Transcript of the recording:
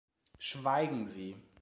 Schweigen Sie!